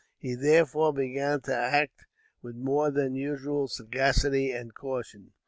He, therefore, began to act with more than usual sagacity and caution.